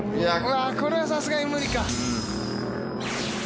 これはさすがに無理か。